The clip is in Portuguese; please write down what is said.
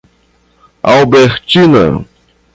Albertina